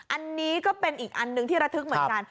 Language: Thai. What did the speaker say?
อันนี้ก็เป็นอีกอันหนึ่งที่ระทึกเหมือนกัน